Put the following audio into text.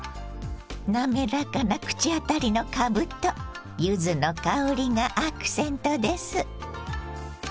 滑らかな口当たりのかぶと柚子の香りがアクセントです。